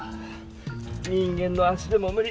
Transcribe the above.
人間の足でもむ理。